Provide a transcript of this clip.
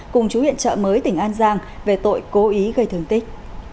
cùng chú hiện trợm mới tỉnh an giang về tội cố ý gây thương tích